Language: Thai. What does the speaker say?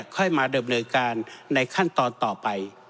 ค่อยมาเริ่มออกกันในขั้นตอนต่อไป